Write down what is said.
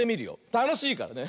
たのしいからね。